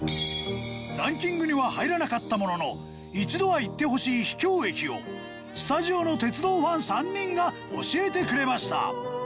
ランキングには入らなかったものの一度は行ってほしい秘境駅をスタジオの鉄道ファン３人が教えてくれました。